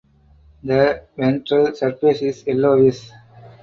The ventral surface is yellowish.